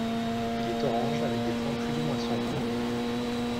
Il est orange, avec des points plus ou moins sombres.